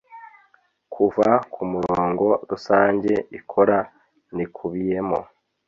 kuva kumurongo rusange ikora nikubiyemo